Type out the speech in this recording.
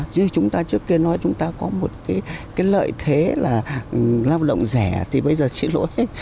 như chúng ta trước kia nói chúng ta có một cái lợi thế là lao động rẻ thì bây giờ xin lỗi